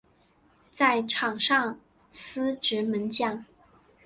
在场上司职门将。